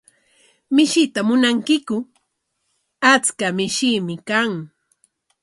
¿Mishita munankiku? Achka mishiimi kan.